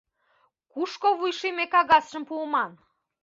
Кушко вуйшийме кагазым пуыман?